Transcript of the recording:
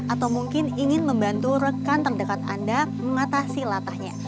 atau mungkin ingin membantu rekan terdekat anda mengatasi latahnya